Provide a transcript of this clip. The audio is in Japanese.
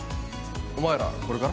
お前らこれから？